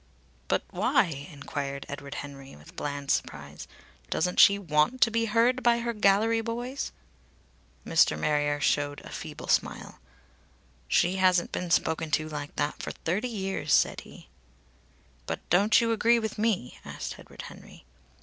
"But why?" enquired Edward Henry with bland surprise. "Doesn't she want to be heard by her gallery boys?" Mr. Marrier showed a feeble smile. "She hasn't been spoken to like that for thirty years," said he. "But don't you agree with me?" asked Edward Henry.